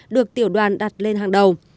được tiểu đoàn đặt lên hàng đầu